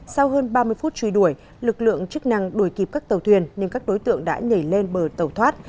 sau hơn ba mươi phút truy đuổi lực lượng chức năng đuổi kịp các tàu thuyền nên các đối tượng đã nhảy lên bờ tàu thoát